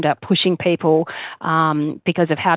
dan juga kita terserah menekan orang